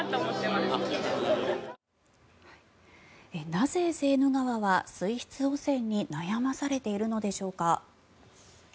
なぜ、セーヌ川は水質汚染に悩まされているのでしょうか。